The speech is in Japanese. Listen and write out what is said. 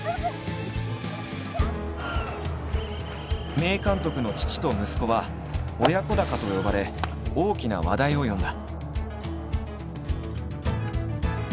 名監督の父と息子は「親子鷹」と呼ばれ大きな話題を呼んだ。